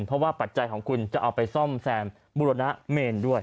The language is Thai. เพราะว่าปัจจัยของคุณจะเอาไปซ่อมแซมบุรณะเมนด้วย